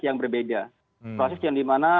yang berbeda proses yang dimana